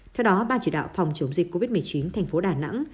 theo đó ban chỉ đạo phòng chống dịch covid một mươi chín tp đà nẵng